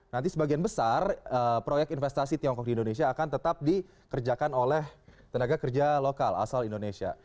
nanti sebagian besar proyek investasi tiongkok di indonesia akan tetap dikerjakan oleh tenaga kerja lokal asal indonesia